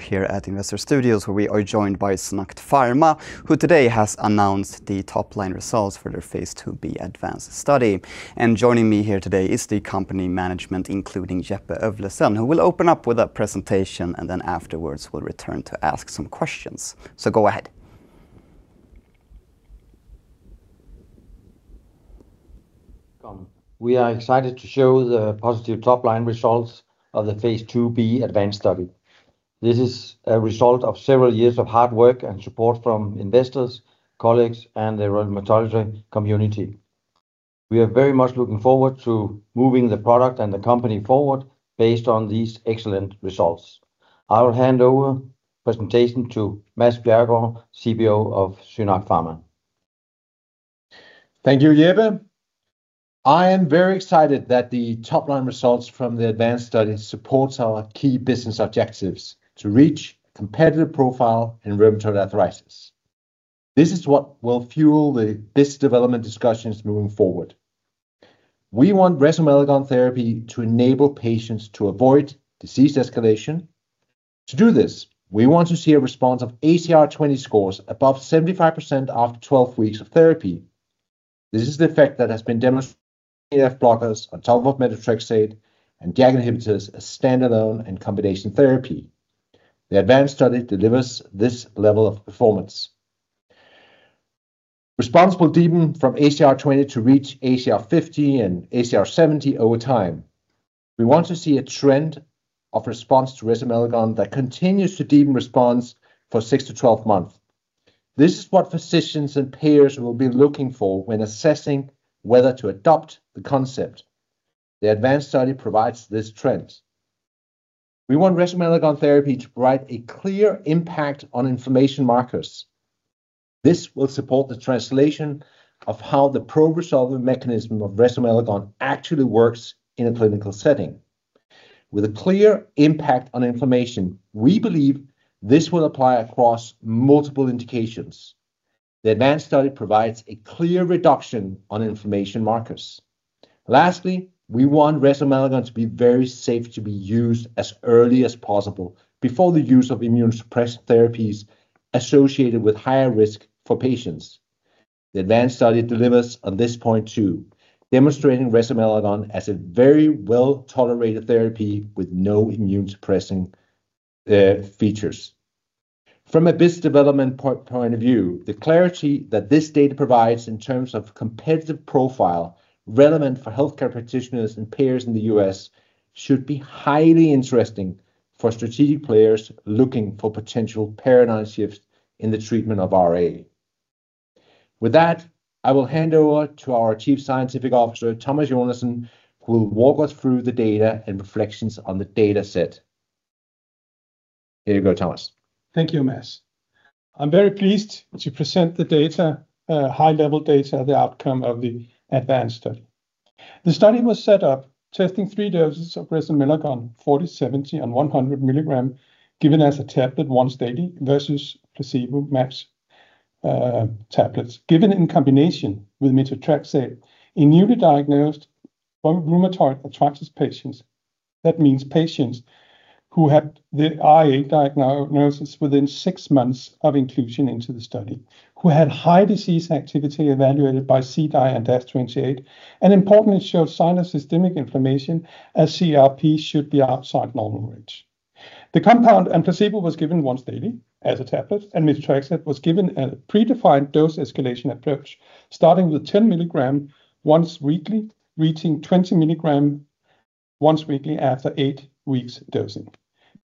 Here at Investor Studios where we are joined by SynAct Pharma, who today has announced the top line results for their phase II-B ADVANCE study. Joining me here today is the company management, including Jeppe Øvlesen, who will open up with a presentation. Afterwards we'll return to ask some questions. Go ahead. We are excited to show the positive top line results of the phase II-B ADVANCE study. This is a result of several years of hard work and support from investors, colleagues, and the rheumatology community. We are very much looking forward to moving the product and the company forward based on these excellent results. I will hand over presentation to Mads Bjerregaard, CBO of SynAct Pharma. Thank you, Jeppe. I am very excited that the top line results from the ADVANCE study supports our key business objectives to reach competitive profile in rheumatoid arthritis. This is what will fuel this development discussions moving forward. We want resomelagon therapy to enable patients to avoid disease escalation. To do this, we want to see a response of ACR20 scores above 75% after 12 weeks of therapy. This is the effect that has been demonstrated with Interleukin inhibitors on top of methotrexate and JAK inhibitors as standalone and combination therapy. The ADVANCE study delivers this level of performance. Response will deepen from ACR20 to reach ACR50 and ACR70 over time. We want to see a trend of response to resomelagon that continues to deepen response for 6-12 months. This is what physicians and payers will be looking for when assessing whether to adopt the concept. The ADVANCE study provides this trend. We want resomelagon therapy to provide a clear impact on inflammation markers. This will support the translation of how the pro-resolving mechanism of resomelagon actually works in a clinical setting. With a clear impact on inflammation, we believe this will apply across multiple indications. The ADVANCE study provides a clear reduction on inflammation markers. Lastly, we want resomelagon to be very safe to be used as early as possible before the use of immunosuppressant therapies associated with higher risk for patients. The ADVANCE study delivers on this point too, demonstrating resomelagon as a very well-tolerated therapy with no immunosuppressing features. From a business development point of view, the clarity that this data provides in terms of competitive profile relevant for healthcare practitioners and payers in the U.S. should be highly interesting for strategic players looking for potential paradigm shifts in the treatment of RA. With that, I will hand over to our Chief Scientific Officer, Thomas Jonassen, who will walk us through the data and reflections on the data set. Here you go, Thomas. Thank you, Mads. I'm very pleased to present the high-level data, the outcome of the ADVANCE study. The study was set up testing three doses of resomelagon, 40 mg, 70 mg, and 100 mg, given as a tablet once daily versus placebo match tablets, given in combination with methotrexate in newly diagnosed rheumatoid arthritis patients. That means patients who had the RA diagnosis within six months of inclusion into the study, who had high disease activity evaluated by CDAI and DAS28. Importantly, showed sign of systemic inflammation as CRP should be outside normal range. The compound and placebo was given once daily as a tablet, and methotrexate was given a predefined dose escalation approach, starting with 10 mg once weekly, reaching 20 mg once weekly after eight weeks dosing.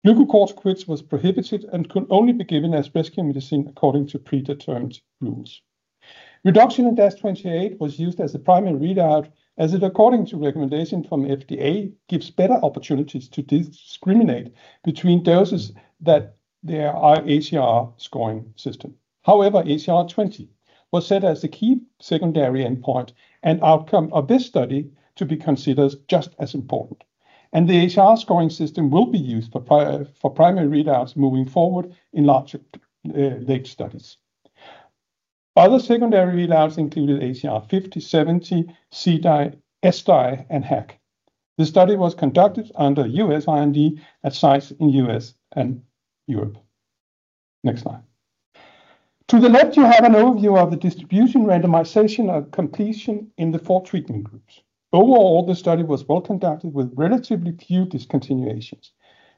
Glucocorticoids was prohibited and could only be given as rescue medicine according to predetermined rules. Reduction in DAS28 was used as a primary readout, as it according to recommendation from FDA gives better opportunities to discriminate between doses that there are ACR scoring system. However, ACR20 was set as a key secondary endpoint and outcome of this study to be considered just as important. The ACR scoring system will be used for primary readouts moving forward in larger late studies. Other secondary readouts included ACR50/70, CDAI, SDAI, and HAQ. This study was conducted under US IND at sites in U.S. and Europe. Next slide. To the left, you have an overview of the distribution randomization and completion in the four treatment groups. Overall, the study was well conducted with relatively few discontinuations.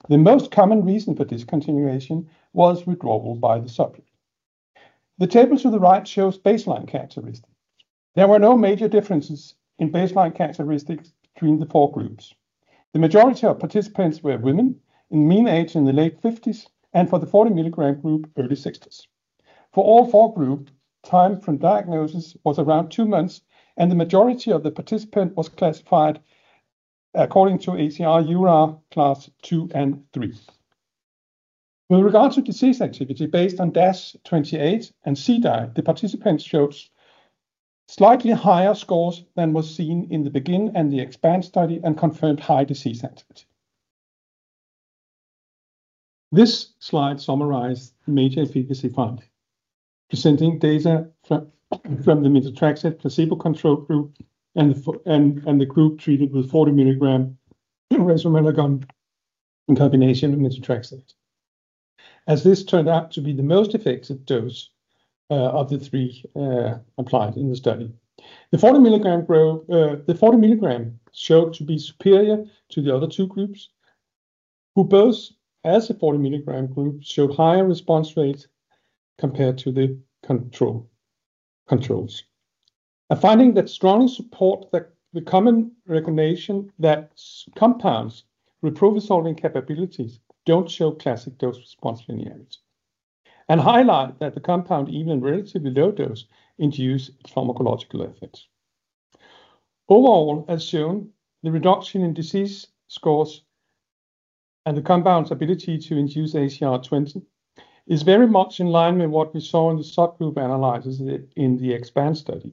The most common reason for discontinuation was withdrawal by the subject. The table to the right shows baseline characteristics. There were no major differences in baseline characteristics between the four groups. The majority of participants were women in mean age in the late 50s, and for the 40 mg group, early 60s. For all four group, time from diagnosis was around two months, and the majority of the participant was classified according to ACR/EULAR class II and III. With regard to disease activity based on DAS28 and CDAI, the participants shows slightly higher scores than was seen in the BEGIN and the EXPAND study and confirmed high disease activity. This slide summarize major efficacy finding. Presenting data from the methotrexate placebo control group and the group treated with 40 mg resomelagon in combination with methotrexate. As this turned out to be the most effective dose of the three applied in the study. The 40 mg showed to be superior to the other two groups, who both, as the 40 mg group, showed higher response rates compared to the controls. A finding that strongly support the common recommendation that compounds with pro-resolving capabilities don't show classic dose response linearity. Highlight that the compound, even relatively low dose, induce pharmacological effects. Overall, as shown, the reduction in disease scores and the compound's ability to induce ACR20 is very much in line with what we saw in the subgroup analysis in the EXPAND study.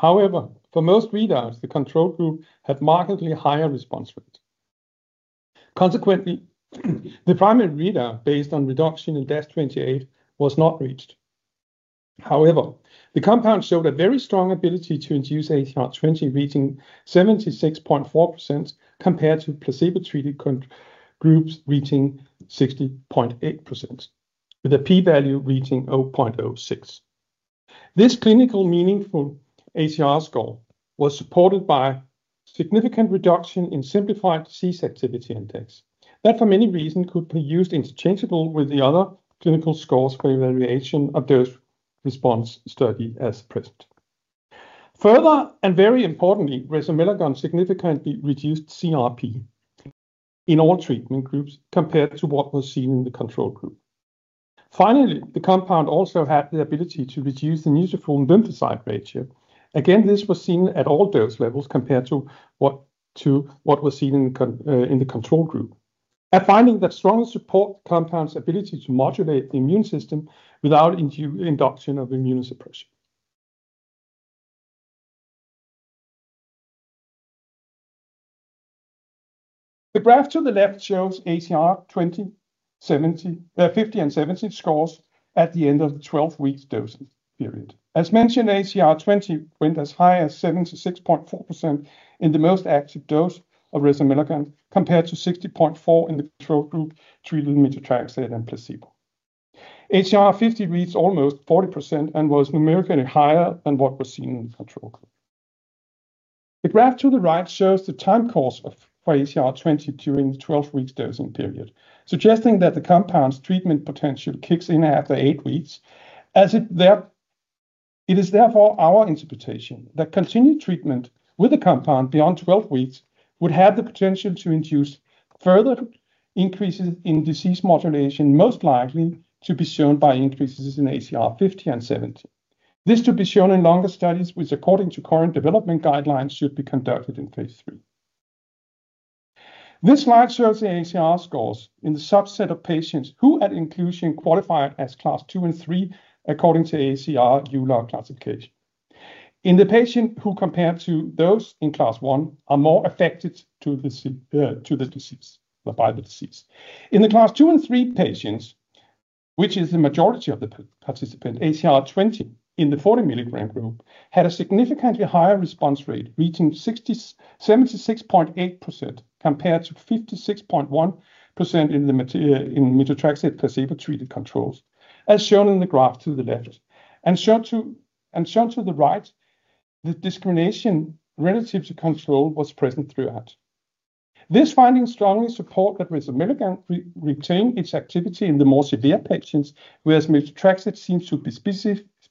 For most readers, the control group had markedly higher response rate. The primary readout based on reduction in DAS28 was not reached. The compound showed a very strong ability to induce ACR20 reaching 76.4%, compared to placebo-treated groups reaching 60.8%, with a p-value reaching 0.06. This clinical meaningful ACR score was supported by significant reduction in simplified disease activity index, that for many reasons could be used interchangeable with the other clinical scores for evaluation of dose response study as presented. Very importantly, resomelagon significantly reduced CRP in all treatment groups compared to what was seen in the control group. Finally, the compound also had the ability to reduce the neutrophil-to-lymphocyte ratio. Again, this was seen at all dose levels compared to what was seen in the control group. A finding that strongly support the compound's ability to modulate the immune system without induction of immunosuppression. The graph to the left shows ACR 50 and 70 scores at the end of the 12-weeks dosing period. As mentioned, ACR20 went as high as 76.4% in the most active dose of resomelagon compared to 60.4% in the control group treated with methotrexate and placebo. ACR50 reads almost 40% and was numerically higher than what was seen in the control group. The graph to the right shows the time course for ACR20 during the 12 weeks dosing period, suggesting that the compound's treatment potential kicks in after eight weeks. It is therefore our interpretation that continued treatment with the compound beyond 12 weeks would have the potential to induce further increases in disease modulation, most likely to be shown by increases in ACR 50 and 70. This to be shown in longer studies, which according to current development guidelines, should be conducted in phase III. This slide shows the ACR scores in the subset of patients who, at inclusion, qualified as class II and III according to ACR/EULAR classification. In the patient who, compared to those in class I, are more affected by the disease. In the class II and III patients, which is the majority of the participants, ACR20 in the 40 mg group had a significantly higher response rate, reaching 76.8%, compared to 56.1% in methotrexate placebo-treated controls, as shown in the graph to the left. Shown to the right, the discrimination relative to control was present throughout. This finding strongly support that resomelagon retained its activity in the more severe patients, whereas methotrexate seems to be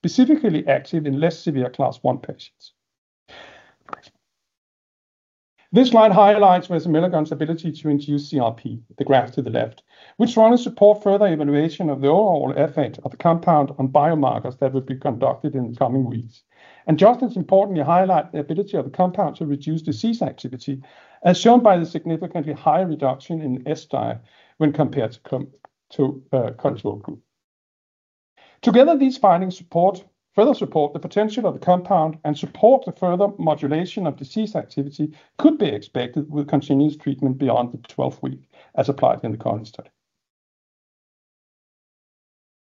specifically active in less severe class I patients. This slide highlights resomelagon's ability to induce CRP, the graph to the left, which strongly support further evaluation of the overall effect of the compound on biomarkers that will be conducted in the coming weeks. Just as importantly, highlight the ability of the compound to reduce disease activity, as shown by the significantly higher reduction in SDAI when compared to control group. Together, these findings further support the potential of the compound and support the further modulation of disease activity could be expected with continuous treatment beyond the 12-week as applied in the current study.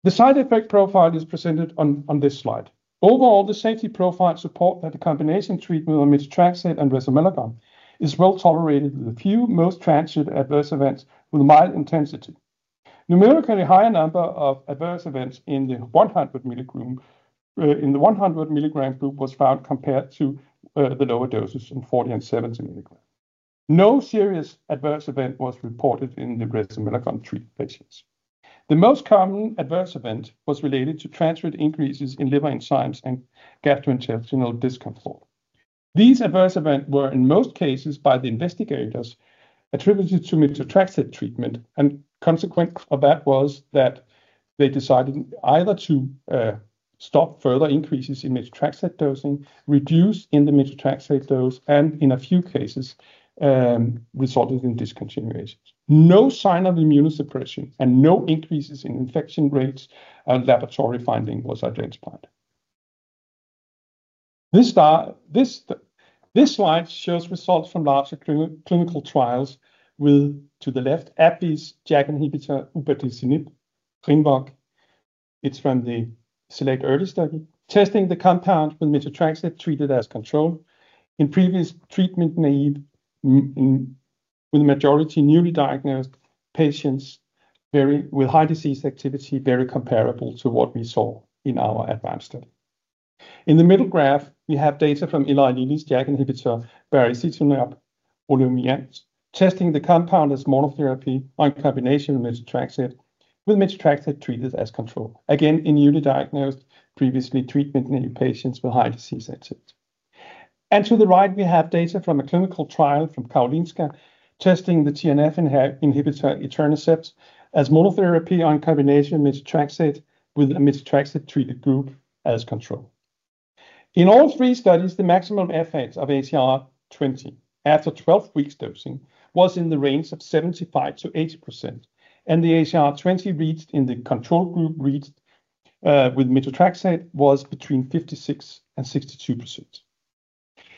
The side effect profile is presented on this slide. Overall, the safety profile support that the combination treatment of methotrexate and resomelagon is well-tolerated, with few most transient adverse events with mild intensity. Numerically higher number of adverse events in the 100 mg group was found compared to the lower doses in 40 mg and 70 mg. No serious adverse event was reported in the resomelagon treated patients. The most common adverse event was related to transient increases in liver enzymes and gastrointestinal discomfort. These adverse event were, in most cases, by the investigators, attributed to methotrexate treatment, and consequence of that was that they decided either to stop further increases in methotrexate dosing, reduce in the methotrexate dose, and in a few cases, resulted in discontinuations. No sign of immunosuppression and no increases in infection rates and laboratory finding was identified. This slide shows results from larger clinical trials with, to the left, AbbVie's JAK inhibitor, upadacitinib, Rinvoq. It's from the SELECT-EARLY study, testing the compound with methotrexate treated as control. In previous treatment-naive, with the majority newly diagnosed patients with high disease activity, very comparable to what we saw in our ADVANCE study. In the middle graph, we have data from Eli Lilly's JAK inhibitor, baricitinib, Olumiant, testing the compound as monotherapy or combination with methotrexate, with methotrexate treated as control. Again, in newly diagnosed, previously treatment-naive patients with high disease activity. To the right, we have data from a clinical trial from Karolinska, testing the TNF inhibitor etanercept as monotherapy or combination with methotrexate, with a methotrexate treated group as control. In all three studies, the maximum effect of ACR20 after 12-weeks dosing was in the range of 75%-80%, and the ACR20 reached in the control group reached with methotrexate was between 56%-62%.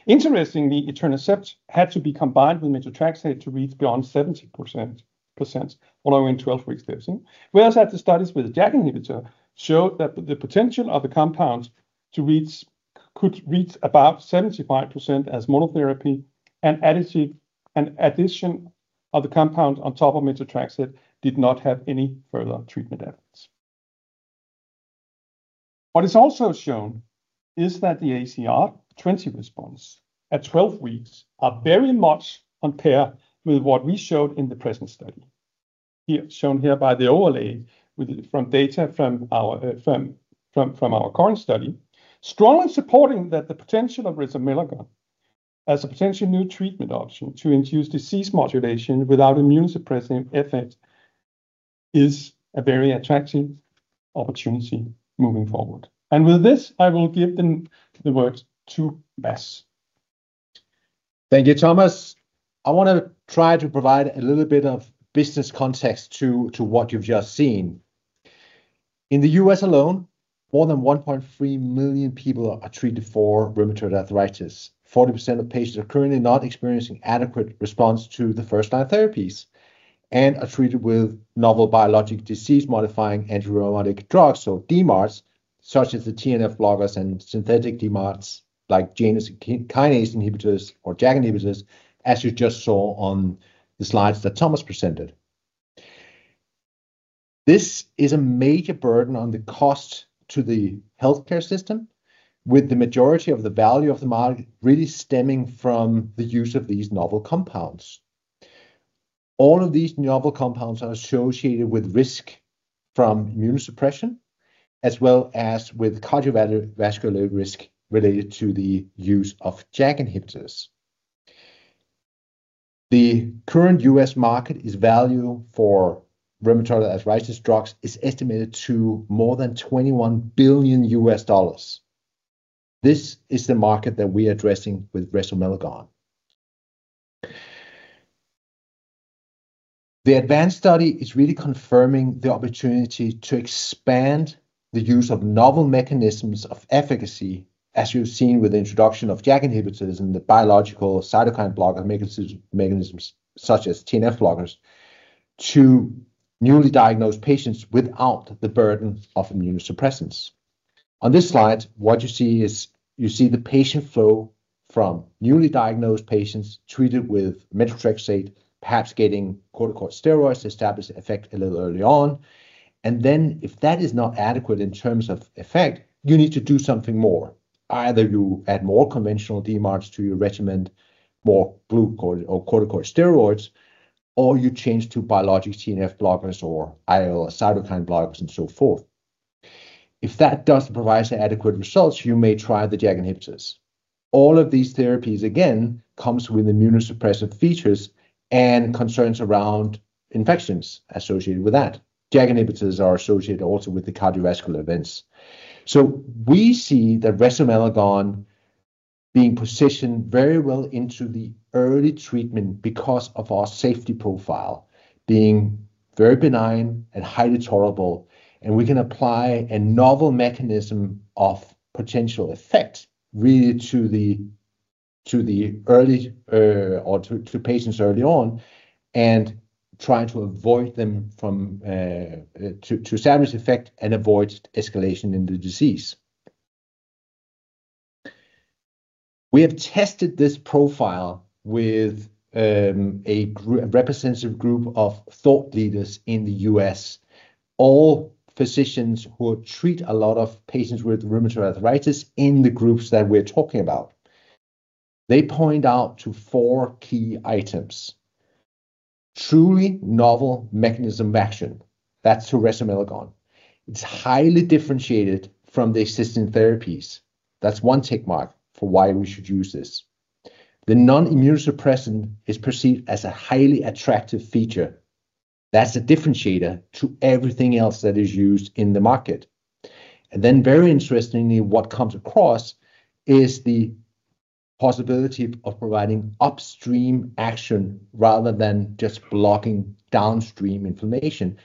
Interestingly, etanercept had to be combined with methotrexate to reach beyond 70% following 12-weeks dosing. Whereas the studies with the JAK inhibitor showed that the potential of the compounds could reach above 75% as monotherapy, and addition of the compound on top of methotrexate did not have any further treatment efforts. What is also shown is that the ACR20 response at 12 weeks are very much on par with what we showed in the present study. Shown here by the overlay from data from our current study. Strongly supporting that the potential of resomelagon as a potential new treatment option to induce disease modulation without immunosuppressive effect is a very attractive opportunity moving forward. With this, I will give the words to Mads. Thank you, Thomas. I want to try to provide a little bit of business context to what you've just seen. In the U.S. alone, more than 1.3 million people are treated for rheumatoid arthritis. 40% of patients are currently not experiencing adequate response to the first-line therapies and are treated with novel biologic disease-modifying antirheumatic drugs, so DMARDs, such as the TNF blockers and synthetic DMARDs like Janus kinase inhibitors or JAK inhibitors, as you just saw on the slides that Thomas presented. This is a major burden on the cost to the healthcare system, with the majority of the value of the market really stemming from the use of these novel compounds. All of these novel compounds are associated with risk from immunosuppression as well as with cardiovascular risk related to the use of JAK inhibitors. The current U.S. market's value for rheumatoid arthritis drugs is estimated to more than $21 billion. This is the market that we are addressing with resomelagon. The ADVANCE study is really confirming the opportunity to expand the use of novel mechanisms of efficacy, as you've seen with the introduction of JAK inhibitors and the biological cytokine blocker mechanisms, such as TNF blockers, to newly diagnosed patients without the burden of immunosuppressants. On this slide, what you see is you see the patient flow from newly diagnosed patients treated with methotrexate, perhaps getting corticosteroid to establish effect a little early on. If that is not adequate in terms of effect, you need to do something more. Either you add more conventional DMARDs to your regimen, more glucocorticoids, or you change to biologic TNF blockers or IL cytokine blockers and so forth. If that doesn't provide adequate results, you may try the JAK inhibitors. All of these therapies, again, comes with immunosuppressive features and concerns around infections associated with that. JAK inhibitors are associated also with the cardiovascular events. We see that resomelagon being positioned very well into the early treatment because of our safety profile being very benign and highly tolerable, and we can apply a novel mechanism of potential effect really to patients early on and trying to establish effect and avoid escalation in the disease. We have tested this profile with a representative group of thought leaders in the U.S., all physicians who treat a lot of patients with rheumatoid arthritis in the groups that we're talking about. They point out to four key items. Truly novel mechanism of action. That's to resomelagon. It's highly differentiated from the existing therapies. That's one tick mark for why we should use this. The non-immunosuppressant is perceived as a highly attractive feature. That's a differentiator to everything else that is used in the market. Very interestingly, what comes across is the possibility of providing upstream action rather than just blocking downstream inflammation.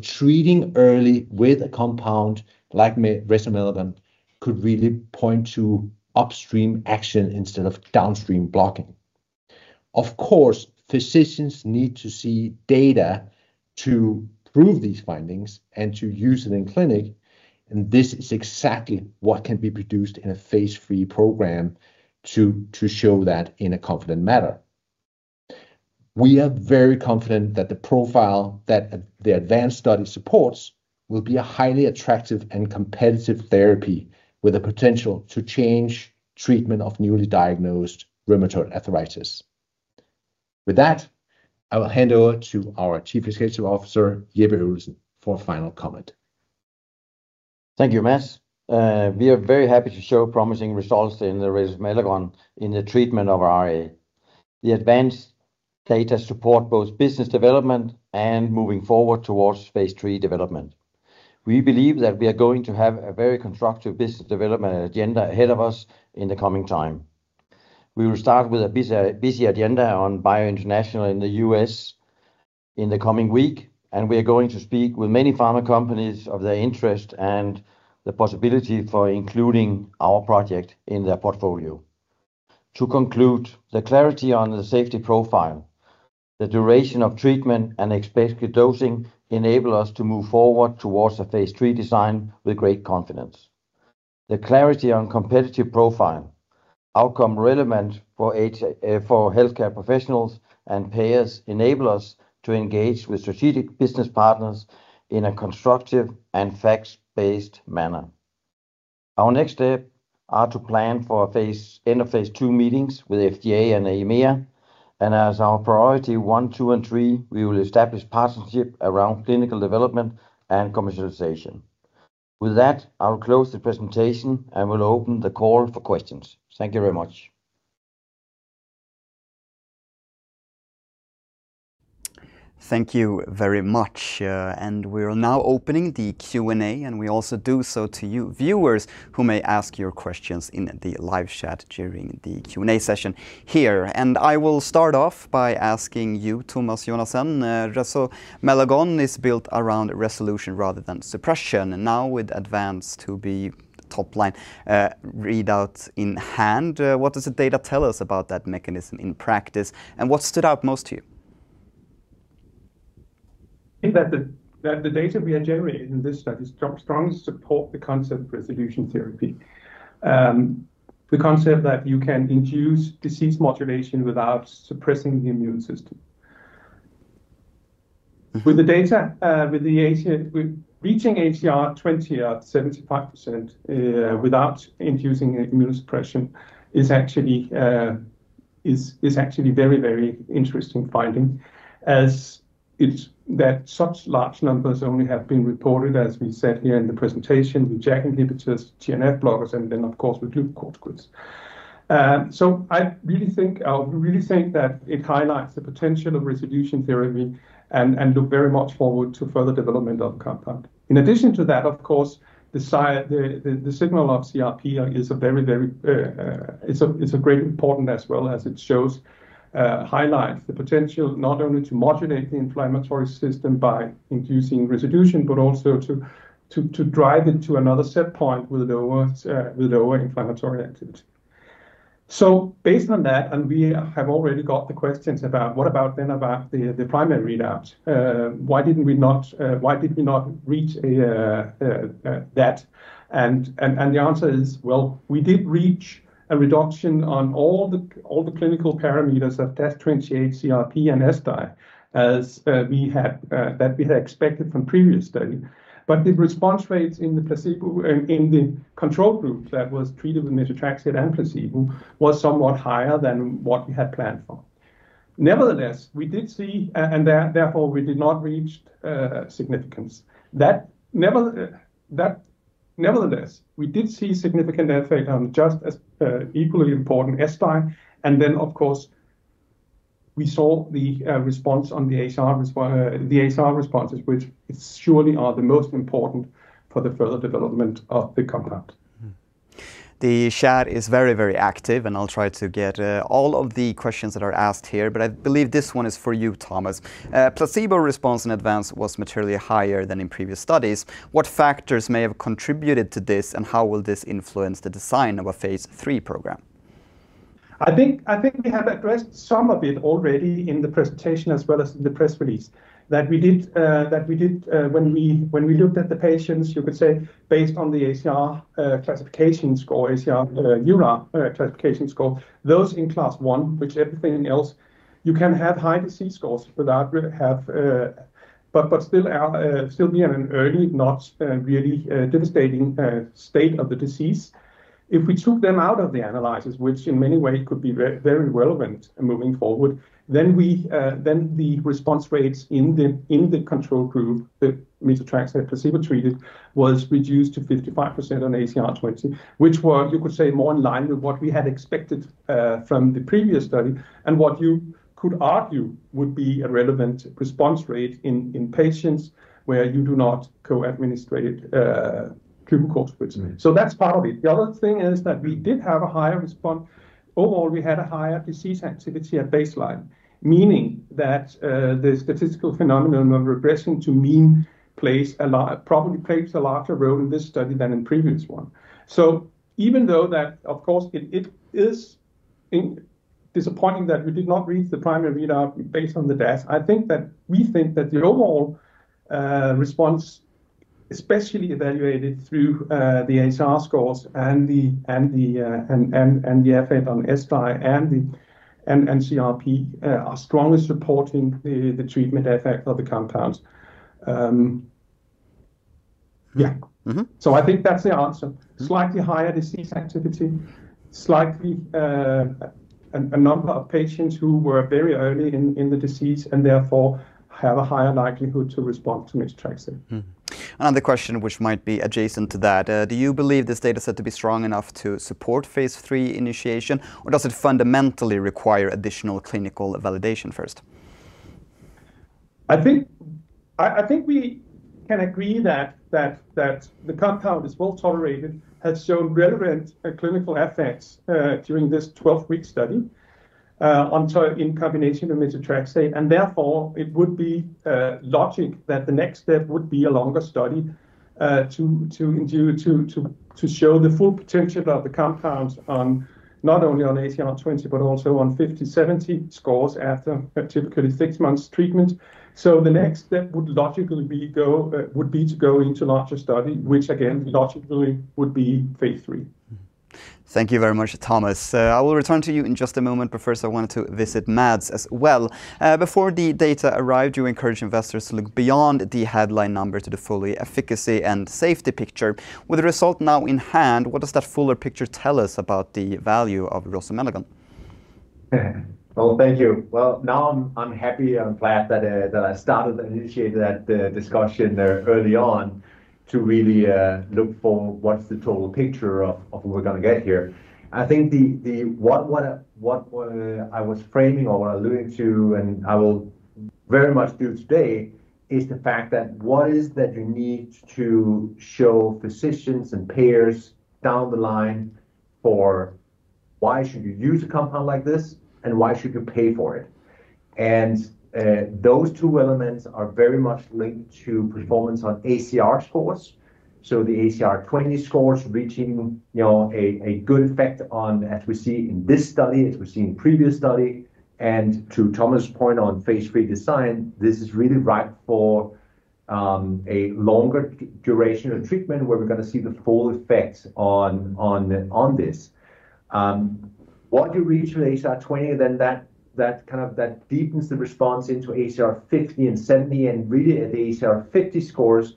Treating early with a compound like resomelagon could really point to upstream action instead of downstream blocking. Of course, physicians need to see data to prove these findings and to use it in clinic, and this is exactly what can be produced in a phase III program to show that in a confident manner. We are very confident that the profile that the ADVANCE study supports will be a highly attractive and competitive therapy with the potential to change treatment of newly diagnosed rheumatoid arthritis. With that, I will hand over to our Chief Executive Officer, Jeppe Øvlesen, for a final comment. Thank you, Mads. We are very happy to show promising results in the resomelagon in the treatment of RA. The ADVANCE data support both business development and moving forward towards phase III development. We believe that we are going to have a very constructive business development agenda ahead of us in the coming time. We will start with a busy agenda on BIO International in the U.S. in the coming week, and we are going to speak with many pharma companies of their interest and the possibility for including our project in their portfolio. To conclude, the clarity on the safety profile, the duration of treatment, and especially dosing, enable us to move forward towards a phase III design with great confidence. The clarity on competitive profile, outcome relevant for healthcare professionals and payers enable us to engage with strategic business partners in a constructive and facts-based manner. Our next step are to plan for end-of-phase II meetings with FDA and EMA. As our priority one, two, and three, we will establish partnership around clinical development and commercialization. With that, I will close the presentation and will open the call for questions. Thank you very much. Thank you very much. We are now opening the Q&A, we also do so to you viewers who may ask your questions in the live chat during the Q&A session here. I will start off by asking you, Thomas Jonassen, resomelagon is built around resolution rather than suppression. Now with ADVANCE to be topline readout in hand, what does the data tell us about that mechanism in practice, and what stood out most to you? I think that the data we are generating in this study strongly support the concept of resolution therapy. The concept that you can induce disease modulation without suppressing the immune system. With reaching ACR20 at 75% without inducing immunosuppression is actually very interesting finding, as such large numbers only have been reported, as we said here in the presentation, with JAK inhibitors, TNF blockers, and then of course with glucocorticoids. I really think that it highlights the potential of resolution therapy and look very much forward to further development of the compound. In addition to that, of course, the signal of CRP is a great important as well, as it highlights the potential not only to modulate the inflammatory system by inducing resolution, but also to drive it to another set point with lower inflammatory activity. Based on that, and we have already got the questions about what about then about the primary readouts. Why did we not reach that? The answer is, well, we did reach a reduction on all the clinical parameters of DAS28, CRP, and SDAI that we had expected from previous study. The response rates in the control group that was treated with methotrexate and placebo was somewhat higher than what we had planned for. Therefore we did not reach significance. Nevertheless, we did see significant effect on just as equally important SDAI. Then, of course, we saw the ACR responses, which surely are the most important for the further development of the compound. The chat is very active, and I'll try to get all of the questions that are asked here, but I believe this one is for you, Thomas. Placebo response in ADVANCE was materially higher than in previous studies. What factors may have contributed to this, and how will this influence the design of a phase III program? I think we have addressed some of it already in the presentation as well as in the press release. That when we looked at the patients, you could say based on the ACR classification score, those in class I, which everything else, you can have high disease scores but still be in an early, not really devastating state of the disease. If we took them out of the analysis, which in many ways could be very relevant moving forward, then the response rates in the control group, the methotrexate placebo-treated, was reduced to 55% on ACR20. Which was, you could say, more in line with what we had expected from the previous study and what you could argue would be a relevant response rate in patients where you do not co-administrate glucocorticoids. That's part of it. The other thing is that we did have a higher response. Overall, we had a higher disease activity at baseline, meaning that the statistical phenomenon of regression to the mean probably plays a larger role in this study than in previous one. Even though that, of course, it is disappointing that we did not reach the primary readout based on the DAS. We think that the overall response, especially evaluated through the ACR scores and the effect on SDAI and CRP, are strongly supporting the treatment effect of the compounds. I think that's the answer. Slightly higher disease activity, a number of patients who were very early in the disease and therefore have a higher likelihood to respond to methotrexate. Another question which might be adjacent to that. Do you believe this data set to be strong enough to support phase III initiation, or does it fundamentally require additional clinical validation first? I think we can agree that the compound is well-tolerated, has shown relevant clinical effects during this 12-week study in combination with methotrexate, and therefore it would be logic that the next step would be a longer study to show the full potential of the compounds on not only on ACR20, but also on 50/70 scores after typically six months treatment. The next step would be to go into larger study, which again, logically would be phase III. Thank you very much, Thomas. I will return to you in just a moment. First, I wanted to visit Mads as well. Before the data arrived, you encouraged investors to look beyond the headline number to the full efficacy and safety picture. With the result now in hand, what does that fuller picture tell us about the value of resomelagon? Well, thank you. Now I'm happy and glad that I started initiating that discussion there early on to really look for what's the total picture of what we're going to get here. I think what I was framing or what I alluding to, and I will very much do today, is the fact that what is that you need to show physicians and pairs down the line for why should you use a compound like this, and why should you pay for it? Those two elements are very much linked to performance on ACR scores. The ACR20 scores reaching a good effect on, as we see in this study, as we see in previous study, and to Thomas' point on phase III design, this is really right for a longer duration of treatment where we're going to see the full effects on this. What you reach with ACR20, that deepens the response into ACR50 and 70. Really at the ACR50 scores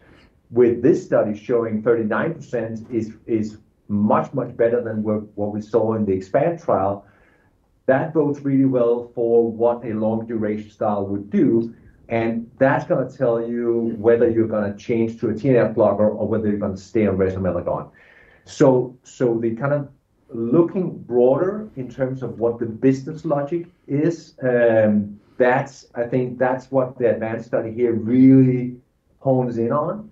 with this study showing 39% is much, much better than what we saw in the EXPAND trial. That bodes really well for what a long duration style would do. That's going to tell you whether you're going to change to a TNF blocker or whether you're going to stay on resomelagon. The looking broader in terms of what the business logic is, I think that's what the ADVANCE study here really hones in on.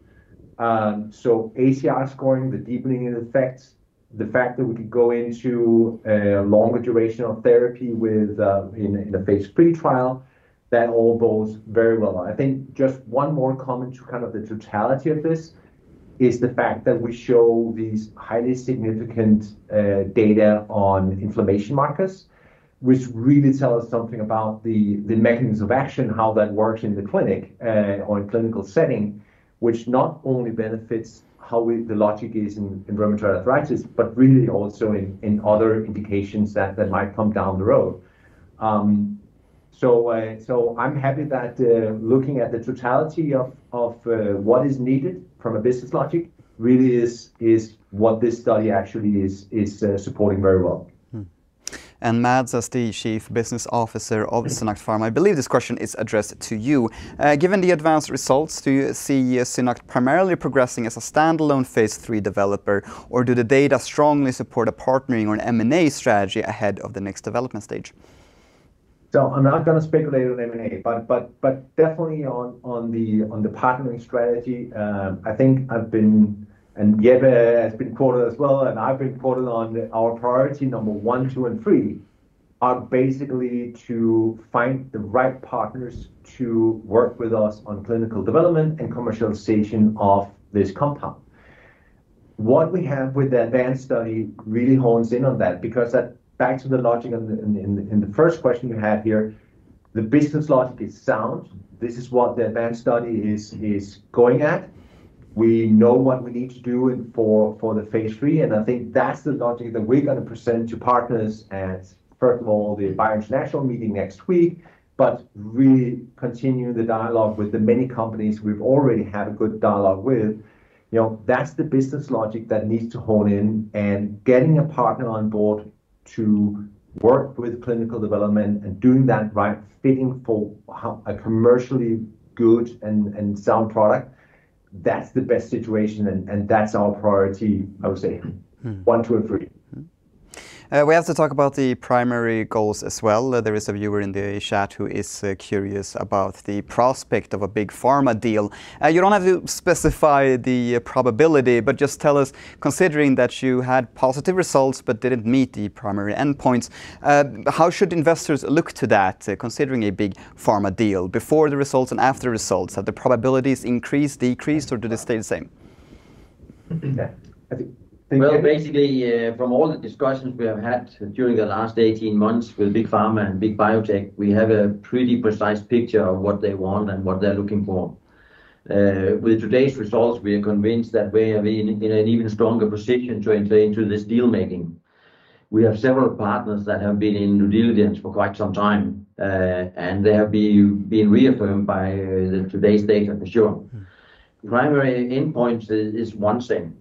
ACR scoring, the deepening effects, the fact that we could go into a longer duration of therapy in a phase III trial, that all bodes very well. I think just one more comment to the totality of this, is the fact that we show these highly significant data on inflammation markers, which really tell us something about the mechanisms of action, how that works in the clinic or in clinical setting, which not only benefits how the logic is in rheumatoid arthritis. Really also in other indications that might come down the road. I'm happy that looking at the totality of what is needed from a business logic really is what this study actually is supporting very well. Mads, as the Chief Business Officer of SynAct Pharma, I believe this question is addressed to you. Given the ADVANCE results, do you see SynAct primarily progressing as a standalone phase III developer, or do the data strongly support a partnering or an M&A strategy ahead of the next development stage? I'm not going to speculate on M&A, but definitely on the partnering strategy. Jeppe has been quoted as well, and I've been quoted on our priority number one, two, and three are basically to find the right partners to work with us on clinical development and commercialization of this compound. What we have with the ADVANCE study really hones in on that because back to the logic in the first question you had here, the business logic is sound. This is what the ADVANCE study is going at. We know what we need to do for the phase III. I think that's the logic that we're going to present to partners at, first of all, the BIO International Convention next week, but really continue the dialogue with the many companies we've already had a good dialogue with. That's the business logic that needs to hone in and getting a partner on board to work with clinical development and doing that right, fitting for a commercially good and sound product. That's the best situation and that's our priority, I would say, one, two, and three. We have to talk about the primary goals as well. There is a viewer in the chat who is curious about the prospect of a big pharma deal. You don't have to specify the probability, but just tell us, considering that you had positive results but didn't meet the primary endpoints, how should investors look to that considering a big pharma deal before the results and after results? Have the probabilities increased, decreased, or do they stay the same? Well, basically, from all the discussions we have had during the last 18 months with big pharma and big biotech, we have a pretty precise picture of what they want and what they're looking for. With today's results, we are convinced that we are in an even stronger position to enter into this deal-making. We have several partners that have been in due diligence for quite some time, and they have been reaffirmed by today's data for sure. Primary endpoint is one thing,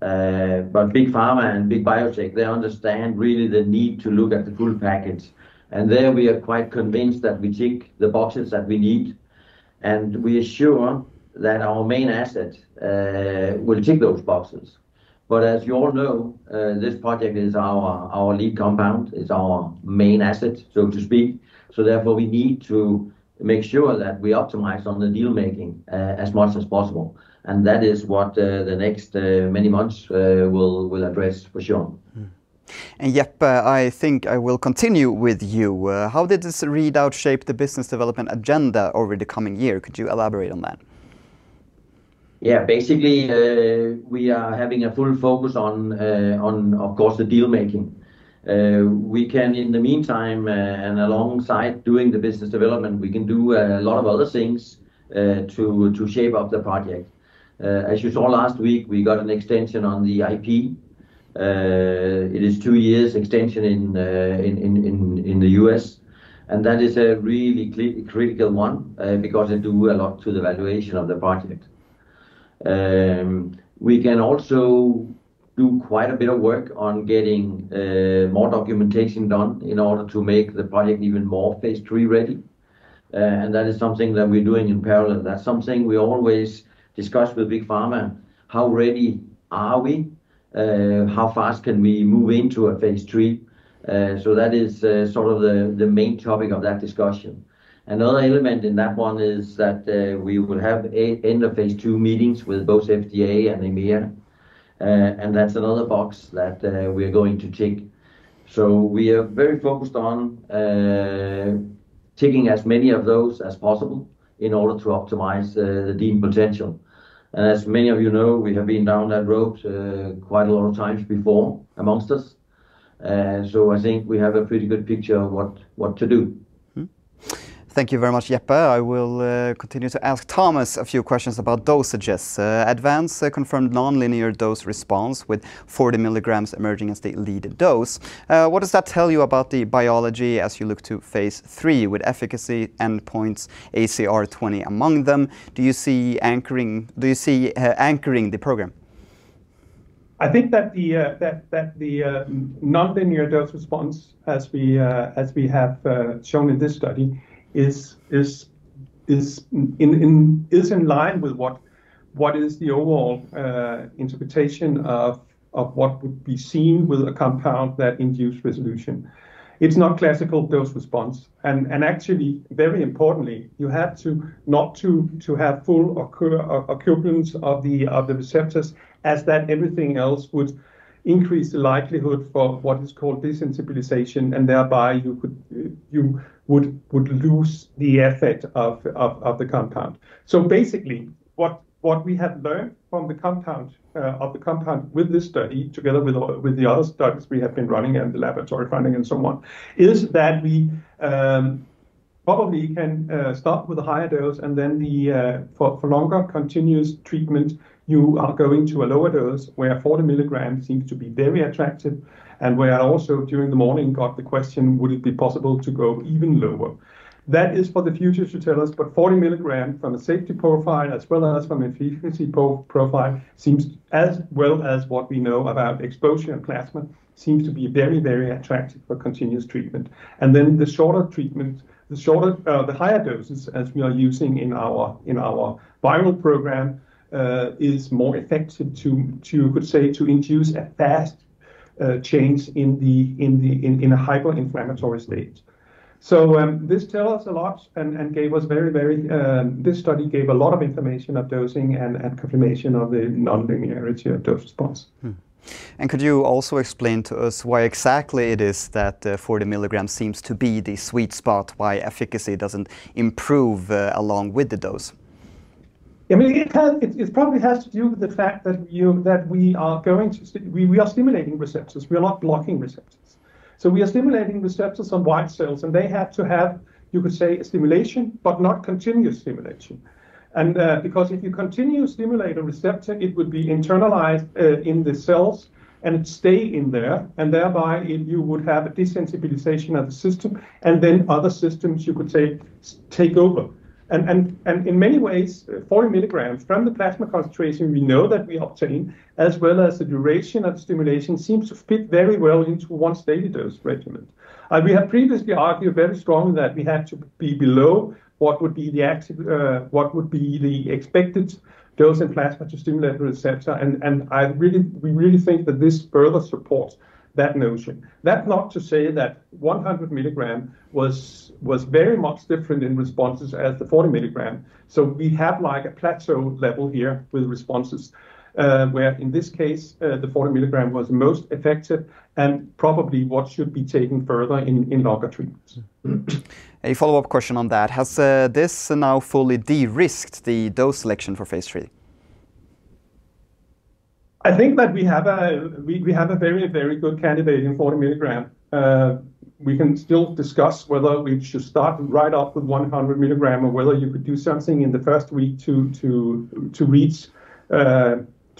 but big pharma and big biotech, they understand really the need to look at the full package. There we are quite convinced that we tick the boxes that we need, and we are sure that our main asset will tick those boxes. As you all know, this project is our lead compound, it's our main asset, so to speak. Therefore, we need to make sure that we optimize on the deal-making as much as possible. That is what the next many months will address for sure. Jeppe, I think I will continue with you. How did this readout shape the business development agenda over the coming year? Could you elaborate on that? Yeah. Basically, we are having a full focus on, of course, the deal-making. We can, in the meantime, and alongside doing the business development, we can do a lot of other things to shape up the project. As you saw last week, we got an extension on the IP. It is two years extension in the U.S., and that is a really critical one because it do a lot to the valuation of the project. We can also do quite a bit of work on getting more documentation done in order to make the project even more phase III-ready. That is something that we're doing in parallel. That's something we always discuss with big pharma. How ready are we? How fast can we move into a phase III? That is sort of the main topic of that discussion. Another element in that one is that we will have end of phase II meetings with both FDA and EMA, that's another box that we're going to tick. We are very focused on ticking as many of those as possible in order to optimize the deal potential. As many of you know, we have been down that road quite a lot of times before amongst us. I think we have a pretty good picture of what to do. Thank you very much, Jeppe. I will continue to ask Thomas a few questions about dosages. ADVANCE confirmed nonlinear dose response with 40 mg emerging as the lead dose. What does that tell you about the biology as you look to phase III with efficacy endpoints, ACR20 among them? Do you see anchoring the program? I think that the nonlinear dose response as we have shown in this study is in line with what is the overall interpretation of what would be seen with a compound that induced resolution. It's not classical dose response. Actually, very importantly, you have to not have full occurrence of the receptors as that everything else would increase the likelihood for what is called desensitization, and thereby you would lose the effect of the compound. Basically, what we have learned of the compound with this study together with the other studies we have been running and the laboratory finding and so on, is that we probably can start with a higher dose and then for longer continuous treatment, you are going to a lower dose where 40 mg seems to be very attractive and where also during the morning got the question, would it be possible to go even lower? That is for the future to tell us, but 40 mg from a safety profile as well as from efficiency profile seems as well as what we know about exposure and plasma seems to be very attractive for continuous treatment. Then the shorter treatment, the higher doses as we are using in our viral program, is more effective to, you could say, to induce a fast change in a hyper-inflammatory state. This tells us a lot and this study gave a lot of information of dosing and confirmation of the nonlinearity of dose response. Could you also explain to us why exactly it is that 40 mg seems to be the sweet spot, why efficacy doesn't improve along with the dose? It probably has to do with the fact that we are stimulating receptors. We are not blocking receptors. We are stimulating receptors on white cells, and they have to have, you could say, a stimulation but not continuous stimulation. Because if you continuously stimulate a receptor, it would be internalized in the cells and stay in there, and thereby you would have a desensitization of the system, and then other systems you could say take over. In many ways, 40 mg from the plasma concentration we know that we obtain, as well as the duration of stimulation seems to fit very well into once-daily dose regimen. We have previously argued very strongly that we have to be below what would be the expected dose in plasma to stimulate the receptor, and we really think that this further supports that notion. That's not to say that 100 mg was very much different in responses as the 40 mg. We have like a plateau level here with responses where in this case the 40 mg was most effective and probably what should be taken further in longer treatments. A follow-up question on that. Has this now fully de-risked the dose selection for phase III? I think that we have a very good candidate in 40 mg. We can still discuss whether we should start right off with 100 mg or whether you could do something in the first week to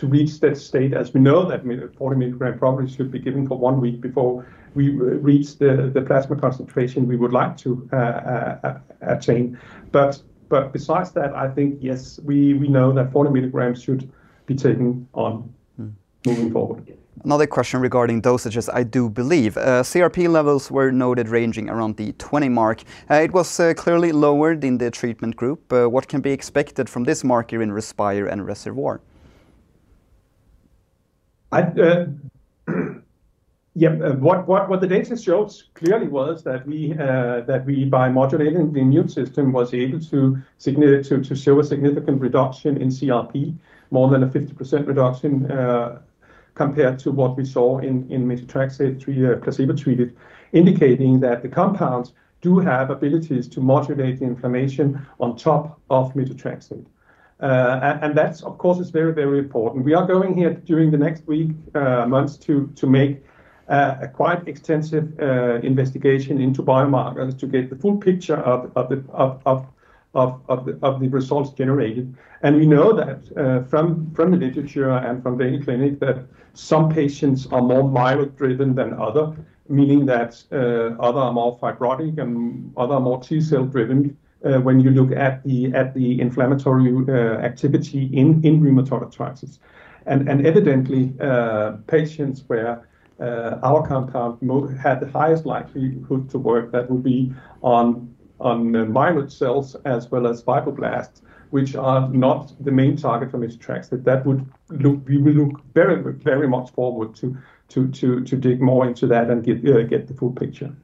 reach that state, as we know that 40 mg probably should be given for one week before we reach the plasma concentration we would like to attain. Besides that, I think, yes, we know that 40 mg should be taken on moving forward. Another question regarding dosages, I do believe. CRP levels were noted ranging around the 20 mark. It was clearly lowered in the treatment group. What can be expected from this marker in RESPIRE and RESOLVE? What the data shows clearly was that we, by modulating the immune system, was able to show a significant reduction in CRP, more than a 50% reduction, compared to what we saw in methotrexate placebo-treated, indicating that the compounds do have abilities to modulate the inflammation on top of methotrexate. That, of course, is very important. We are going here during the next week, months to make a quite extensive investigation into biomarkers to get the full picture of the results generated. We know that from the literature and from daily clinic, that some patients are more myeloid driven than other, meaning that other are more fibrotic and other are more T-cell driven when you look at the inflammatory activity in rheumatoid arthritis. Evidently, patients where our compound had the highest likelihood to work, that will be on myeloid cells as well as fibroblasts, which are not the main target for methotrexate. We look very much forward to dig more into that and get the full picture.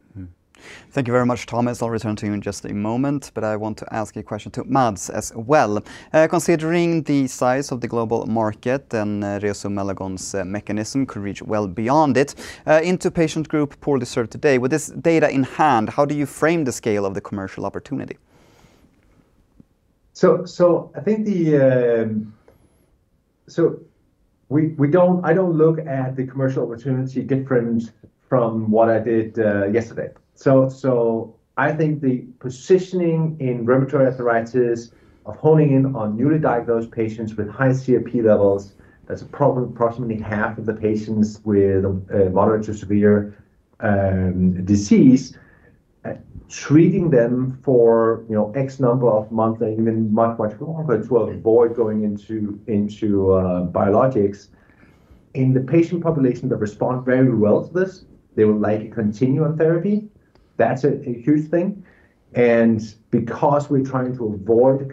Thank you very much, Thomas. I'll return to you in just a moment, but I want to ask a question to Mads as well. Considering the size of the global market and resomelagon's mechanism could reach well beyond it into patient group poorly served today. With this data in hand, how do you frame the scale of the commercial opportunity? I don't look at the commercial opportunity different from what I did yesterday. I think the positioning in rheumatoid arthritis of honing in on newly diagnosed patients with high CRP levels, that's approximately half of the patients with moderate to severe disease. Treating them for X number of months and even much, much longer to avoid going into biologics. In the patient population that respond very well to this, they will likely continue on therapy. That's a huge thing. Because we're trying to avoid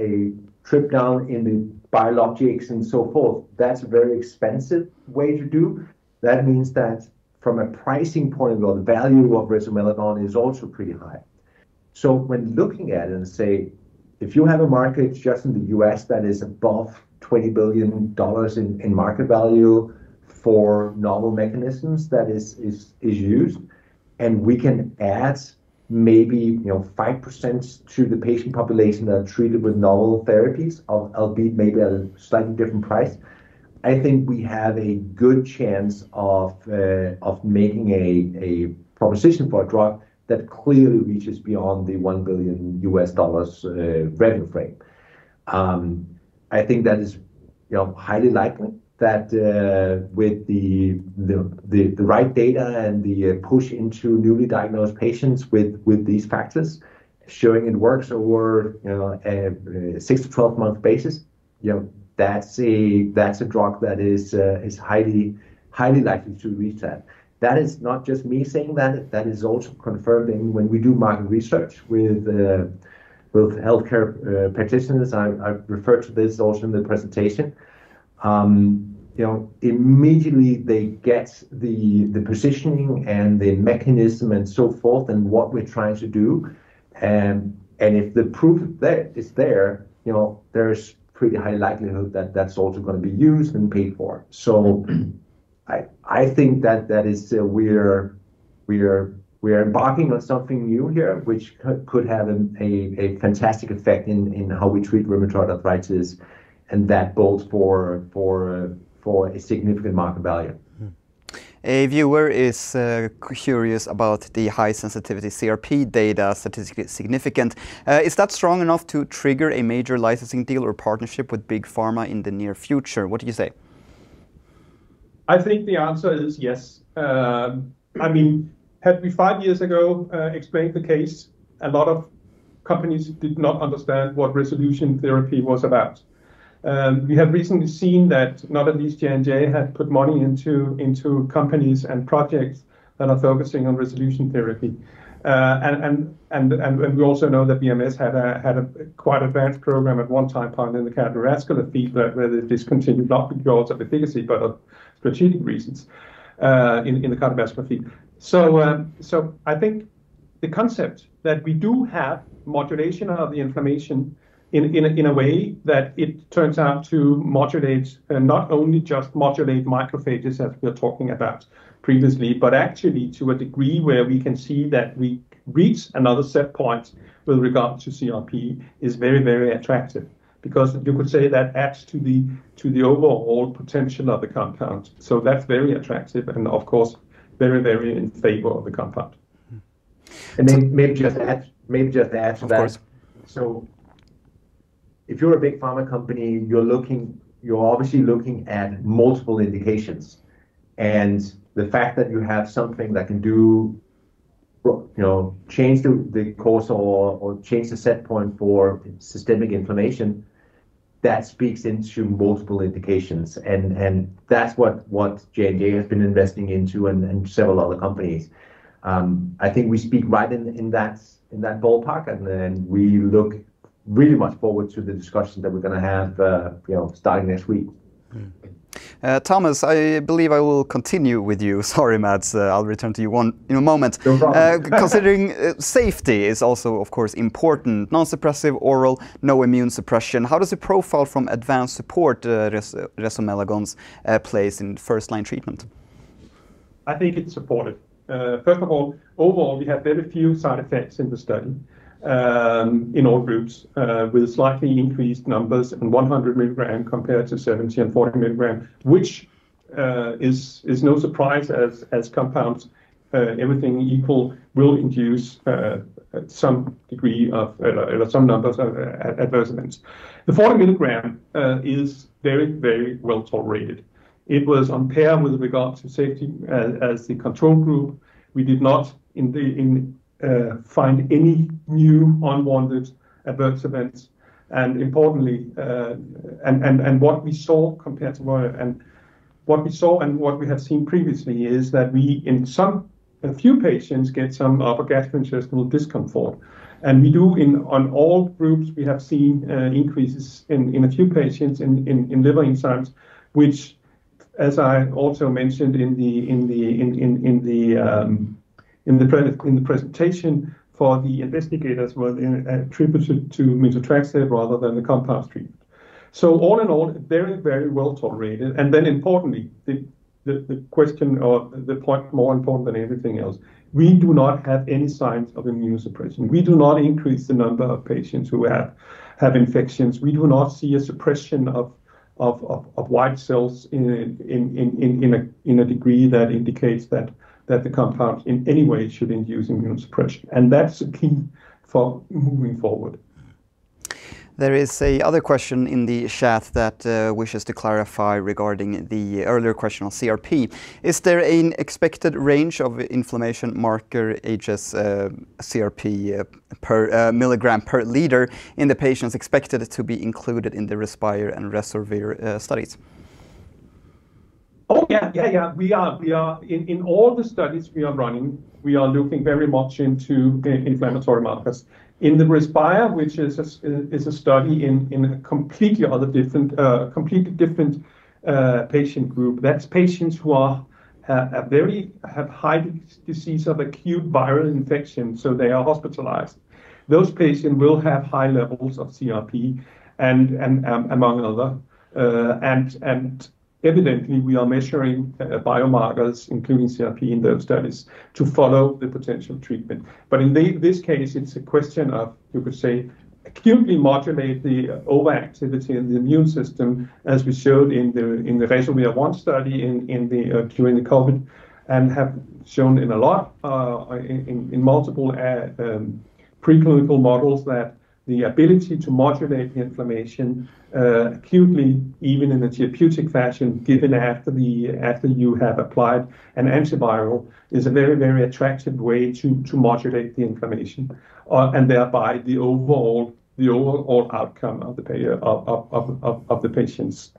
a trip down in the biologics and so forth, that's a very expensive way to do. That means that from a pricing point of view or the value of resomelagon is also pretty high. When looking at it and say, if you have a market just in the U.S. that is above $20 billion in market value for novel mechanisms that is used, and we can add maybe 5% to the patient population that are treated with novel therapies, albeit maybe at a slightly different price, I think we have a good chance of making a proposition for a drug that clearly reaches beyond the $1 billion revenue frame. I think that is highly likely that with the right data and the push into newly diagnosed patients with these factors showing it works over a 6-12 month basis, that's a drug that is highly likely to reach that. That is not just me saying that. That is also confirmed when we do market research with both healthcare practitioners. I referred to this also in the presentation. Immediately they get the positioning and the mechanism and so forth and what we're trying to do. If the proof is there's pretty high likelihood that that's also going to be used and paid for. I think that we are embarking on something new here, which could have a fantastic effect in how we treat rheumatoid arthritis, that bodes for a significant market value. A viewer is curious about the high sensitivity CRP data, statistically significant. Is that strong enough to trigger a major licensing deal or partnership with Big Pharma in the near future? What do you say? I think the answer is yes. Had we five years ago explained the case, a lot of companies did not understand what resolution therapy was about. We have recently seen that not at least J&J had put money into companies and projects that are focusing on resolution therapy. We also know that BMS had a quite advanced program at one time point in the cardiovascular field where they discontinued, not because of efficacy but strategic reasons, in the cardiovascular field. The concept that we do have modulation of the inflammation in a way that it turns out to not only just modulate macrophages as we were talking about previously, but actually to a degree where we can see that we reach another set point with regard to CRP is very, very attractive because you could say that adds to the overall potential of the compound. That's very attractive and, of course, very, very in favor of the compound. Maybe just to add to that. Of course. If you're a big pharma company, you're obviously looking at multiple indications, and the fact that you have something that can change the course or change the set point for systemic inflammation, that speaks into multiple indications, and that's what J&J has been investing into and several other companies. I think we speak right in that ballpark, and we look really much forward to the discussion that we're going to have starting next week. Thomas, I believe I will continue with you. Sorry, Mads, I'll return to you in a moment. No problem. Considering safety is also, of course, important. Non-suppressive, oral, no immune suppression. How does the profile from ADVANCE support resomelagon's place in first-line treatment? I think it's supportive. First of all, overall, we had very few side effects in the study, in all groups, with slightly increased numbers in 100 mg compared to 70 mg and 40 mg, which is no surprise as compounds, everything equal, will induce some numbers of adverse events. The 40 mg is very, very well-tolerated. It was on par with regard to safety as the control group. We did not find any new unwanted adverse events. What we saw and what we have seen previously is that we, in a few patients, get some upper gastrointestinal discomfort. We do, on all groups, we have seen increases in a few patients in liver enzymes, which, as I also mentioned in the presentation for the investigators, were attributed to methotrexate rather than the compound treatment. All in all, very, very well tolerated. Importantly, the point more important than everything else, we do not have any signs of immunosuppression. We do not increase the number of patients who have infections. We do not see a suppression of white cells in a degree that indicates that the compound in any way should induce immunosuppression. That's the key for moving forward. There is a other question in the chat that wishes to clarify regarding the earlier question on CRP. Is there an expected range of inflammation marker hs-CRP milligram per liter in the patients expected to be included in the RESPIRE and RESOLVE studies? In all the studies we are running, we are looking very much into inflammatory markers. In the RESPIRE, which is a study in a completely different patient group. That's patients who have high disease of acute viral infection, so they are hospitalized. Those patients will have high levels of CRP, among other, and evidently, we are measuring biomarkers, including CRP, in those studies to follow the potential treatment. In this case, it's a question of, you could say, acutely modulate the overactivity in the immune system, as we showed in the RESOLVE I study during the COVID, and have shown in multiple preclinical models that the ability to modulate the inflammation acutely, even in a therapeutic fashion, given after you have applied an antiviral, is a very, very attractive way to modulate the inflammation, and thereby the overall outcome of the patients.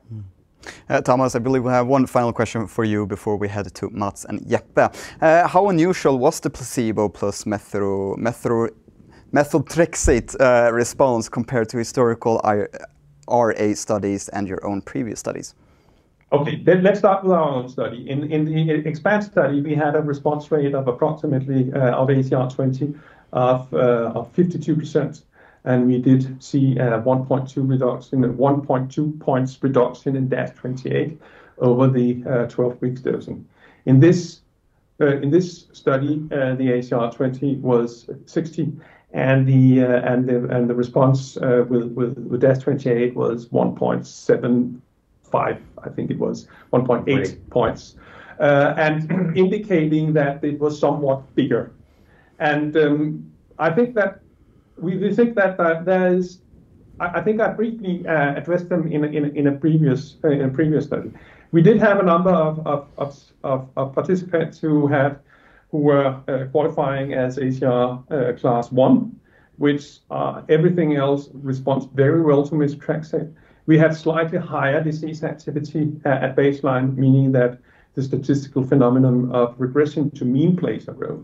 Thomas, I believe we have one final question for you before we head to Mads and Jeppe. How unusual was the placebo plus methotrexate response compared to historical RA studies and your own previous studies? Okay, let's start with our own study. In the EXPAND study, we had a response rate of approximately of ACR20 of 52%, and we did see a 1.2 points reduction in DAS28 over the 12 weeks dosing. In this study, the ACR20 was 60%, and the response with DAS28 was 1.75, I think it was, 1.8 points, indicating that it was somewhat bigger. I think I briefly addressed them in a previous study. We did have a number of participants who were qualifying as ACR class I, which everything else responds very well to methotrexate. We had slightly higher disease activity at baseline, meaning that the statistical phenomenon of regression to mean plays a role.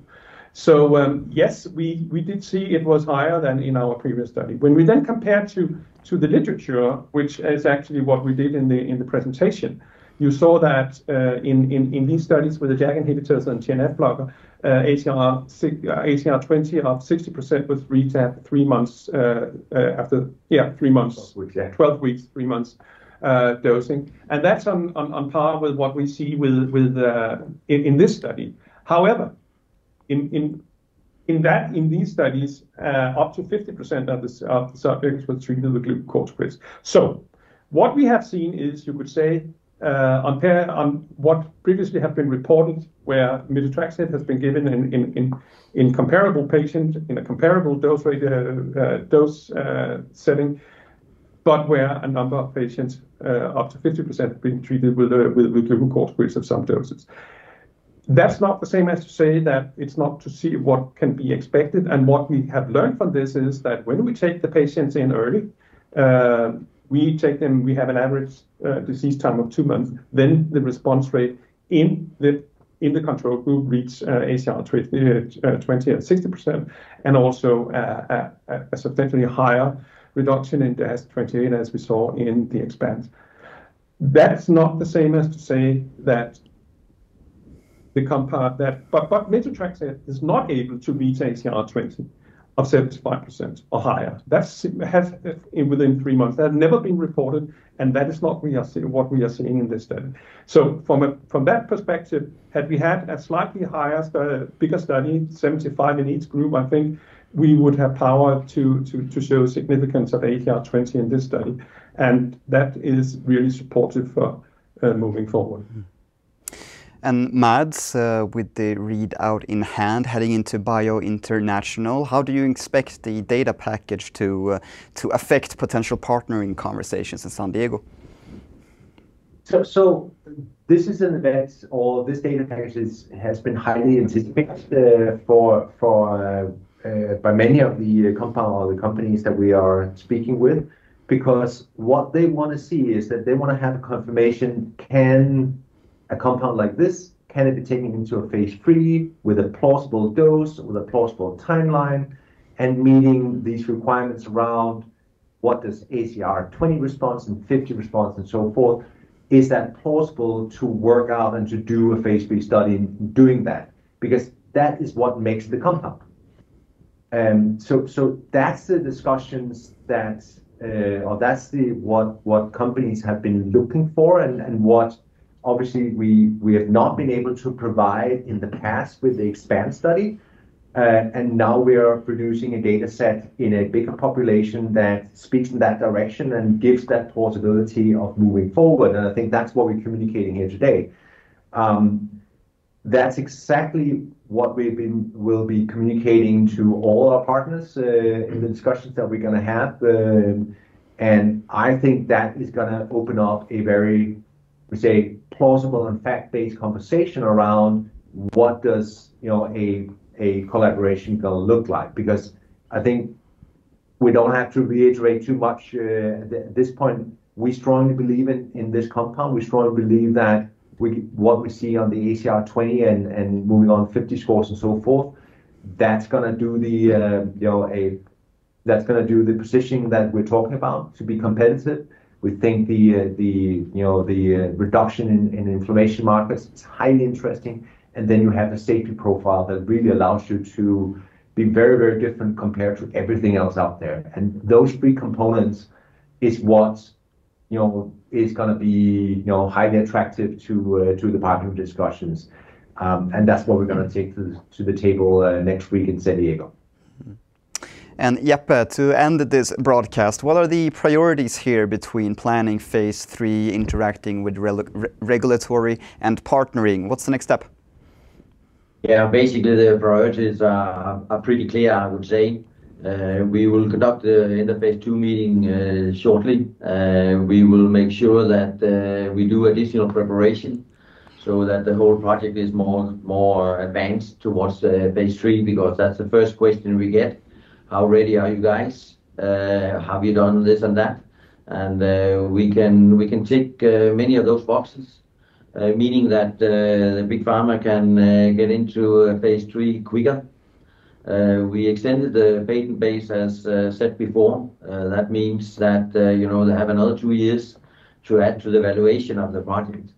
Yes, we did see it was higher than in our previous study. When we compared to the literature, which is actually what we did in the presentation, you saw that in these studies with the JAK inhibitors and TNF blocker, ACR20 of 60% with [resomelagon], three months after 12 weeks, three months dosing. That's on par with what we see in this study. However, in these studies, up to 50% of the subjects were treated with glucocorticoids. What we have seen is, you could say, on what previously have been reported, where methotrexate has been given in a comparable dose setting, but where a number of patients, up to 50%, being treated with glucocorticoids of some doses. That's not the same as to say that it's not to see what can be expected, and what we have learned from this is that when we take the patients in early, we have an average disease time of two months. The response rate in the control group reached ACR20 at 60%, and also a substantially higher reduction in the ACR20 as we saw in the EXPAND. That's not the same as to say that But methotrexate is not able to reach ACR20 of 75% or higher within three months. That had never been reported, and that is not what we are seeing in this study. From that perspective, had we had a slightly bigger study, 75% in each group, I think we would have power to show significance of ACR20 in this study, and that is really supportive for moving forward. Mads, with the readout in hand, heading into BIO International, how do you expect the data package to affect potential partnering conversations in San Diego? This is an event, or this data package has been highly anticipated by many of the compound or the companies that we are speaking with, because what they want to see is that they want to have a confirmation can a compound like this, can it be taken into a phase III with a plausible dose, with a plausible timeline, and meeting these requirements around what does ACR20 response and 50 response and so forth, is that plausible to work out and to do a phase III study in doing that? Because that is what makes the compound. That's the discussions, or that's what companies have been looking for and what obviously we have not been able to provide in the past with the EXPAND study. Now we are producing a data set in a bigger population that speaks in that direction and gives that plausibility of moving forward, and I think that's what we're communicating here today. That's exactly what we'll be communicating to all our partners in the discussions that we're going to have. I think that is going to open up a very, we say, plausible and fact-based conversation around what does a collaboration going to look like. Because I think we don't have to reiterate too much at this point. We strongly believe in this compound. We strongly believe that what we see on the ACR20 and moving on 50 scores and so forth, that's going to do the positioning that we're talking about to be competitive. We think the reduction in inflammation markers is highly interesting. Then you have the safety profile that really allows you to be very different compared to everything else out there. Those three components is what is going to be highly attractive to the partner discussions. That's what we're going to take to the table next week in San Diego. Jeppe, to end this broadcast, what are the priorities here between planning phase III, interacting with regulatory, and partnering? What's the next step? Yeah. Basically, the priorities are pretty clear, I would say. We will conduct the end of phase II meeting shortly. We will make sure that we do additional preparation so that the whole project is more advanced towards the phase III, because that's the first question we get. How ready are you guys? Have you done this and that? We can tick many of those boxes, meaning that the big pharma can get into a phase III quicker. We extended the patent base as said before. That means that they have another two years to add to the valuation of the project.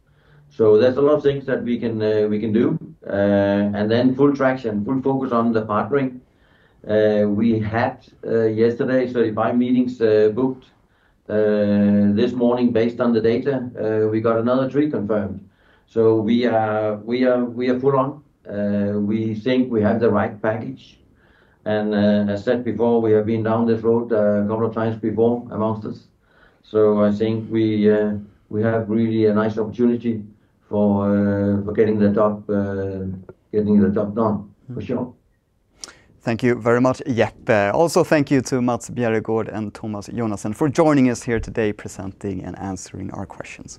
There's a lot of things that we can do. Then full traction, full focus on the partnering. We had yesterday 35 meetings booked this morning based on the data. We got another three confirmed. We are full on. We think we have the right package. As said before, we have been down this road a couple of times before amongst us. I think we have really a nice opportunity for getting the job done for sure. Thank you very much, Jeppe. Also, thank you to Mads Bjerregaard and Thomas Jonassen for joining us here today presenting and answering our questions.